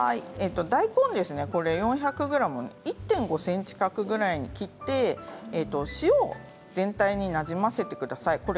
大根は４００ｇ１．５ｃｍ角ぐらいに切って塩を全体になじませてください。